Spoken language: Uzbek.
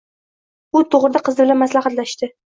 U to'g'rida qizi bilan maslahatlashdi: